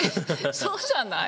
そうじゃない？